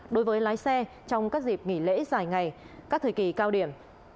đối với lái xe trong các dịp nghỉ lễ dài ngày các thời kỳ cao điểm